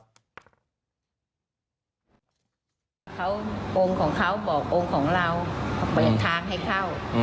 เขาองค์ของเขาบอกองค์ของเราเขาเปิดทางให้เข้า